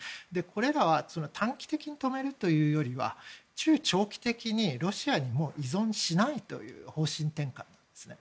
これらは短期的に止めるというよりは中長期的にロシアに依存しないという方針転換なんですね。